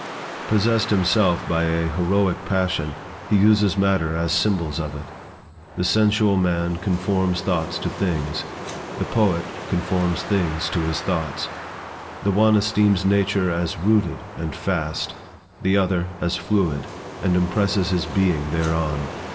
Possessed himself by a heroic passion, he uses matter as symbols of it. The sensual man conforms thoughts to things; the poet conforms things to his thoughts. The one esteems nature as rooted and fast; the other, as fluid, and impresses his being thereon.